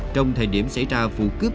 trong thời điểm xảy ra vụ cướp